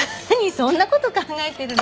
そんな事考えてるの？